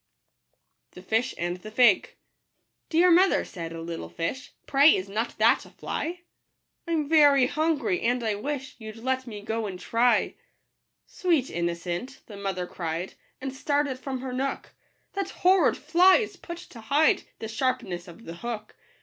iUm* Digitized by Google anb tfie $lg. EAR mother, said a little fish, ||||P " Pray is not that a fly ? I'm very hungry, and I wish You'd i e t me go and try." " Sweet innocent," the mother cried, And started from her nook, " That horrid fly is put to hide The sharpness of the hook."